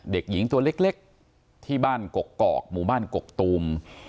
เด็กหญิงตัวเล็กที่บ้านกกอกหมู่บ้านกกตูม